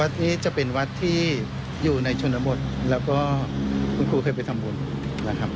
ที่จะเป็นวัดที่อยู่ในชนบทแล้วก็คุณครูเคยไปทำบุญนะครับ